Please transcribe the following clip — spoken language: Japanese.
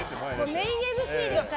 メインＭＣですから。